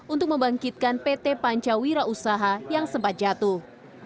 untuk membangkitkan pt pancawira usaha yang sempat jatuh